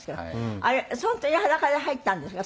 あれ本当に裸で入ったんですか？